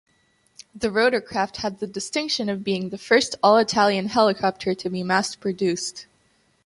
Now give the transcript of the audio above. The rotorcraft had the distinction of being the first all-Italian helicopter to be mass-produced.